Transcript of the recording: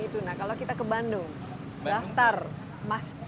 misalnya kalau kita ke paris kan harus ke eiffel tower kemudian harus ke ini ke itu